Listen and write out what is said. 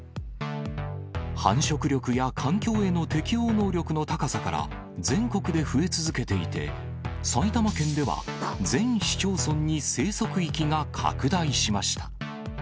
繁殖力や環境への適応能力の高さから、全国で増え続けていて、埼玉県では全市町村に生息域が拡大しました。